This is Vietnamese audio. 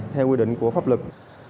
theo quy định của pháp luật